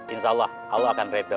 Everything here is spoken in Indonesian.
insya allah allah akan reda